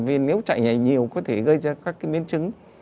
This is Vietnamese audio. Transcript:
vì nếu chạy nhảy nhiều có thể gây ra các cái miếng trứng